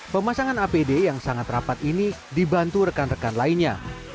pemasangan apd yang sangat rapat ini dibantu rekan rekan lainnya